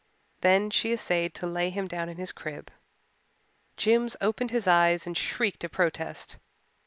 Then she essayed to lay him down in his crib. Jims opened his eyes and shrieked a protest.